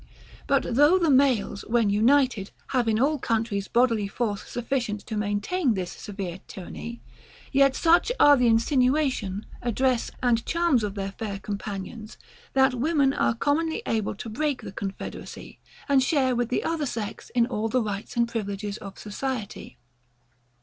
But though the males, when united, have in all countries bodily force sufficient to maintain this severe tyranny, yet such are the insinuation, address, and charms of their fair companions, that women are commonly able to break the confederacy, and share with the other sex in all the rights and privileges of society.